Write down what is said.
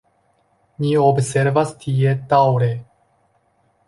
Ni observas tie daŭre.